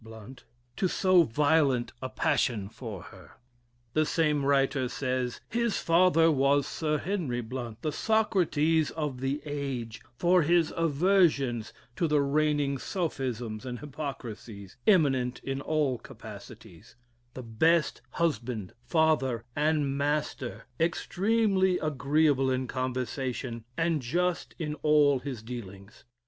Blount) to so violent a passion for her." The same writer says, "His father was Sir Henry Blount, the Socrates of the age, for his aversions to the reigning sophisms and hypocrisies, eminent in all capacities: the best husband, father, and master, extremely agreeably in conversation, and just in all his dealings.